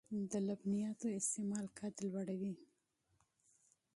د لبنیاتو استعمال قد لوړوي .